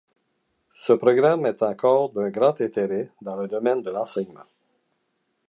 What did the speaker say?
Ce programme est encore d'un grand intérêt dans le domaine de l'enseignement.